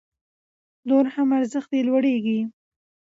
نور هم ارزښت يې لوړيږي